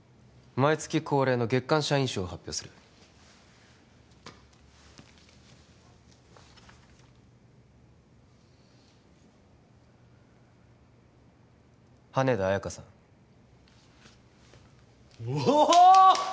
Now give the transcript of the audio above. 毎月恒例の月間社員賞を発表する羽田綾華さんおおっ！